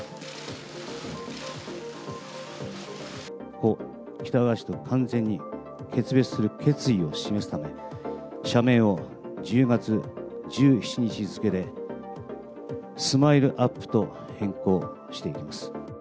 故・喜多川氏と完全に決別する決意を示すため、社名を１０月１７日付でスマイルアップと変更していきます。